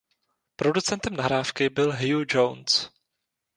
Producentem nahrávky byl Hugh Jones.